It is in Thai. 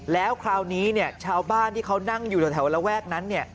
แล้วคราวนี้ชาวบ้านที่เขานั่งอยู่แถวระแวกนั้น